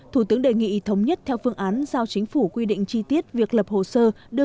thủ tướng đề nghị thống nhất theo phương án giao chính phủ quy định chi tiết việc lập hồ sơ đưa